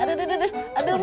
aduh aduh aduh